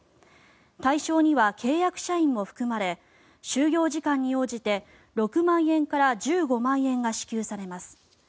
対象には契約社員も含まれ就業時間に応じて６万円から１５万円が支給されます。